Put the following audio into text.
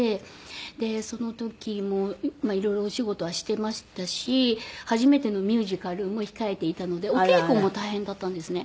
でその時も色々お仕事はしていましたし初めてのミュージカルも控えていたのでお稽古も大変だったんですね。